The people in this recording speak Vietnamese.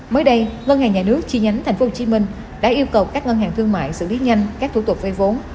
mới đây ngân hàng nhà nước chi nhánh tp hcm đã yêu cầu các ngân hàng thương mại xử lý nhanh các thủ tục vây vốn